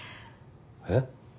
えっ？